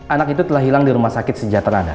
anak itu telah hilang di rumah sakit sejahtera dan